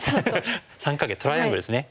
三角形トライアングルですね。